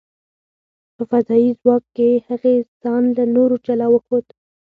په فضايي ځواک کې، هغې ځان له نورو جلا وښود .